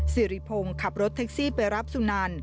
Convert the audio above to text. สิริพงศ์ขับรถแท็กซี่ไปรับสุนัน